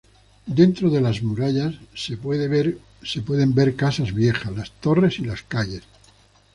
Dentro de las murallas se puede ver casas viejas, las torres y las calles.